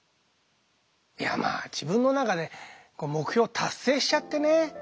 いやまあ自分の中で目標を達成しちゃってね。